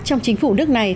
trong chính phủ nước này